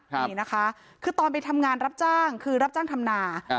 นี่นะคะคือตอนไปทำงานรับจ้างคือรับจ้างทำนา